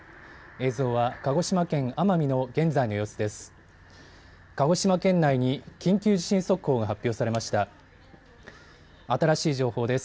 映像は鹿児島県奄美の現在の様子です。